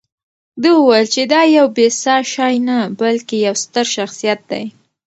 ده وویل چې دا یو بې ساه شی نه، بلکې یو ستر شخصیت دی.